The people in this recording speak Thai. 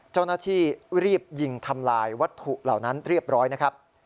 เจ้าหน้าที่รีบยิงทำลายวัตถุเหล่านั้นเรียบร้อยนะครับ